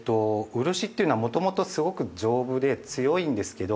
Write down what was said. ◆漆というのはもともと丈夫で強いんですけど。